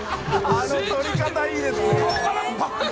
あの撮り方いいですね。